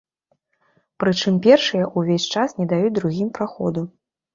Прычым першыя ўвесь час не даюць другім праходу.